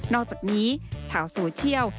อกจากนี้ชาวโซเชียล